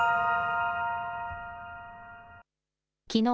きのう